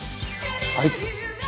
あいつ？